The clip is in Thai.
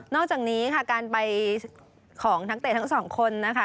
อกจากนี้ค่ะการไปของนักเตะทั้งสองคนนะคะ